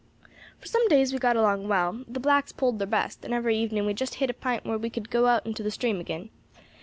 "For some days we got along well; the blacks poled thar best, and every evening we just hit a pint where we could go out into the stream agin.